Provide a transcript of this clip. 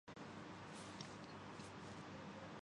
کوئی نشان حیدر یا کوئی ستائش کا سرٹیفکیٹ ملا